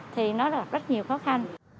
thì nó gặp rất nhiều khó khăn